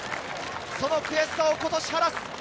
その悔しさを今年晴らす。